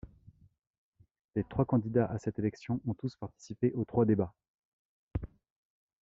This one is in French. Les trois candidats à cette élection ont tous participé aux trois débats.